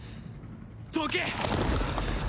どけ！